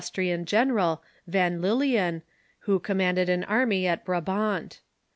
trian general, Van Lilien, who commanded an army in Brabant.